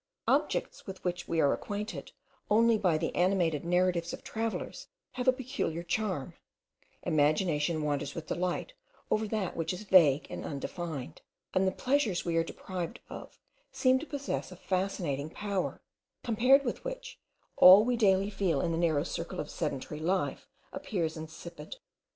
Objects with which we are acquainted only by the animated narratives of travellers have a peculiar charm; imagination wanders with delight over that which is vague and undefined; and the pleasures we are deprived of seem to possess a fascinating power, compared with which all we daily feel in the narrow circle of sedentary life appears insipid.